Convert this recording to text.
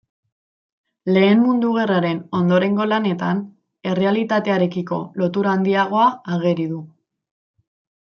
Lehen Mundu Gerraren ondorengo lanetan errealitatearekiko lotura handiagoa ageri du.